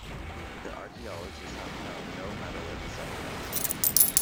The archaeologists have found no metal in the settlement.